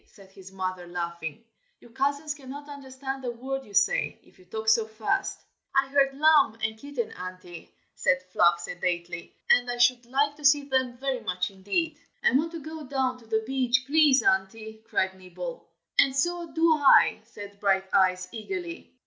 said his mother, laughing. "Your cousins cannot understand a word you say, if you talk so fast." "I heard 'lamb' and 'kitten,' Auntie," said Fluff, sedately, "and I should like to see them very much indeed." "I want to go down to the beach, please, Auntie!" cried Nibble. "And so do I!" said Brighteyes, eagerly.